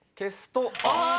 あ！